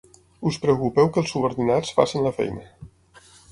Us preocupeu que els subordinats facin la feina.